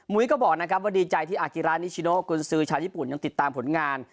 ก็บอกนะครับว่าดีใจที่อากิรานิชิโนกุญสือชาวญี่ปุ่นยังติดตามผลงาน